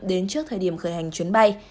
đến trước thời điểm khởi hành chuyến bay